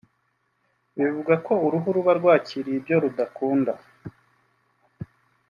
Bivuga ko uruhu ruba rwakiriye ibyo rudakunda